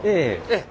ええ。